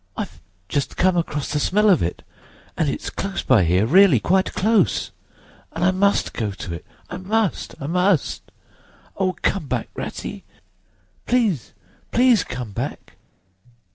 I've just come across the smell of it, and it's close by here, really quite close. And I must go to it, I must, I must! Oh, come back, Ratty! Please, please come back!"